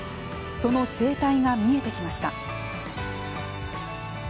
その生態が見えてきました。